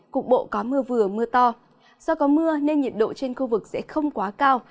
cục bộ có mưa vừa mưa to do có mưa nên nhiệt độ trên khu vực sẽ không quá cao